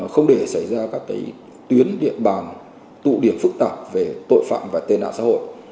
không để xảy ra các tuyến điện bàn tụ điểm phức tạp về tội phạm và tên nạn xã hội